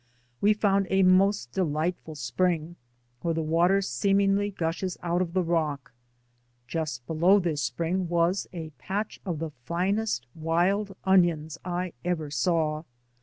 We found a most de lightful spring where the water seemingly gushes out of the rock. Just below this spring was a patch of the finest wild onions I ever saw.